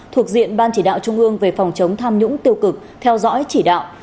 thuộc diện ban chỉ đạo trung ương về phòng chống tham nhũng tiêu cực theo dõi chỉ đạo